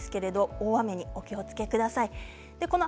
大雨にお気をつけてください。